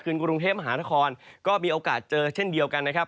กรุงเทพมหานครก็มีโอกาสเจอเช่นเดียวกันนะครับ